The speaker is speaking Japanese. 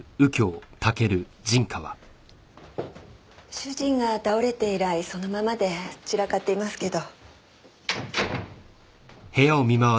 主人が倒れて以来そのままで散らかっていますけど。